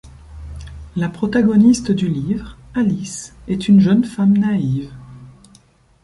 La protagoniste du livre, Alice, est une jeune femme naïve.